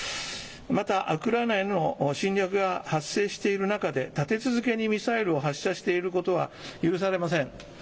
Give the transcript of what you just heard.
また、ウクライナへの侵略が発生している中で立て続けにミサイルを発射していることは許されません。